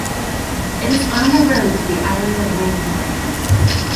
It is on the road to the island of Langeland.